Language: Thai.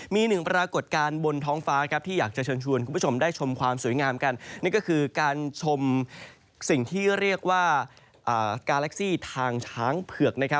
มีหนึ่งปรากฏการณ์บนท้องฟ้าที่อยากจะเชิญชวนคุณผู้ชมได้ชมความสวยงามกันนี่ก็คือการชมสิ่งที่เรียกว่ากาแล็กซี่ทางช้างเผือก